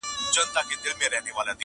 په لوړو سترګو ځمه له جهانه قاسم یاره,